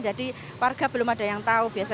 jadi warga belum ada yang tahu